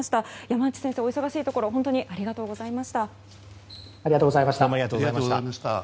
山内先生、お忙しいところありがとうございました。